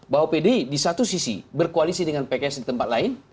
bahwa pdi di satu sisi berkoalisi dengan pks di tempat lain